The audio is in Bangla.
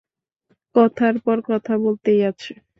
কথার পর কথা বলতেই আছে।